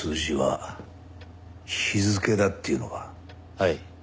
はい。